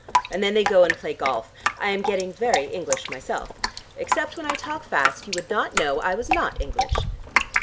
And then they go and play golf. I am getting very English myself. Except when I talk fast you would not know I was not English."